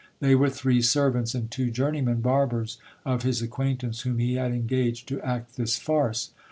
They were three servants and two journeymen barbers of his acquaintance, whom he had engaged to act this farce.